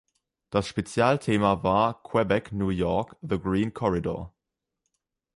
Das Spezialthema war „Quebec-New York: The Green Corridor“.